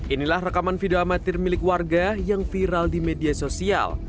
inilah rekaman video amatir milik warga yang viral di media sosial